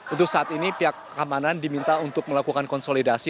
untuk saat ini pihak keamanan diminta untuk melakukan konsolidasi